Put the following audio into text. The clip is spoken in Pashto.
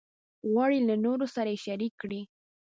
غواړي له نورو سره یې شریک کړي.